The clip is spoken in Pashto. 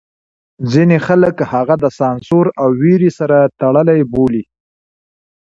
ځینې خلک هغه د سانسور او وېرې سره تړلی بولي.